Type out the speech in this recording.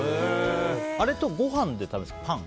あれとご飯で食べるんですか？